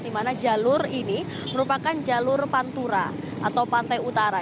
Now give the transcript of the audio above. di mana jalur ini merupakan jalur pantura atau pantai utara